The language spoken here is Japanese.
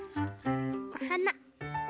おはな。